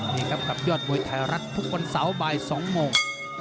นี่ครับกับยอดมวยไทยรัฐทุกวันเสาร์บ่าย๒โมง